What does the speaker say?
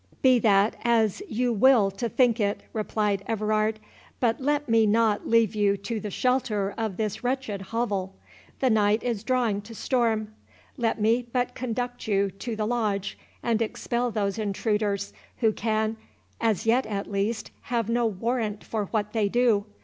"Be that as you will to think it," replied Everard; "but let me not leave you to the shelter of this wretched hovel. The night is drawing to storm—let me but conduct you to the Lodge, and expel those intruders, who can, as yet at least, have no warrant for what they do.